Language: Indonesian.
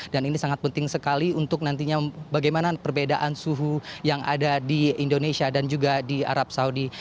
dan ini sangat penting sekali untuk nantinya bagaimana perbedaan suhu yang ada di indonesia dan juga di arab saudi